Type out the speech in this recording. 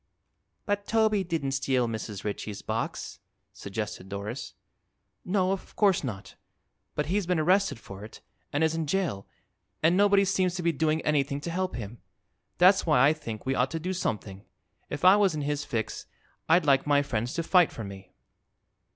"But Toby didn't steal Mrs. Ritchie's box," suggested Doris. "No; of course not. But he's been arrested for it and is in jail, and nobody seems to be doing anything to help him. That's why I think we ought to do something. If I was in his fix I'd like my friends to fight for me."